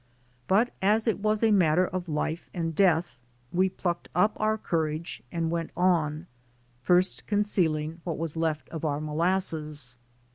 But as it was a matter of life and death, we plucked up our courage and went on, first concealing what was left of our molasses.